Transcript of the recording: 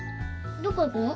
どこ行くの？